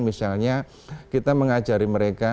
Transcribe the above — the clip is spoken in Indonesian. misalnya kita mengajari mereka